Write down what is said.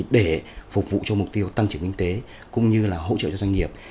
để phục vụ cho mục tiêu tăng trưởng kinh tế cũng như là hỗ trợ cho doanh nghiệp